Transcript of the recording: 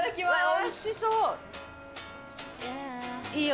おいしそう。